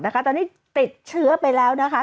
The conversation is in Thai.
ตอนนี้ติดเชื้อไปแล้วนะคะ